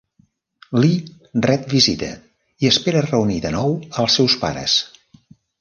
Li ret visita i espera reunir de nou els seus pares.